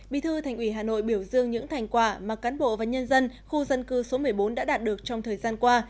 bí thư thành ủy hà nội biểu dương những thành quả mà cán bộ và nhân dân khu dân cư số một mươi bốn đã đạt được trong thời gian qua